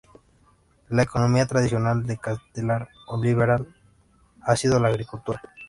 La economía tradicional de Castellar-Oliveral ha sido la agricultura.